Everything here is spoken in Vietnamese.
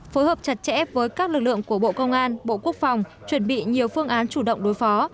phối hợp chặt chẽ với các lực lượng của bộ công an bộ quốc phòng chuẩn bị nhiều phương án chủ động đối phó